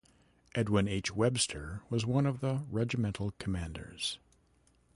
Edwin H. Webster was one of the regimental commanders.